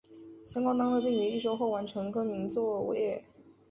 相关单位并于一周后完成更名作业。